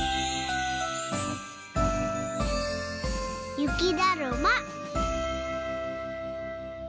ゆきだるま。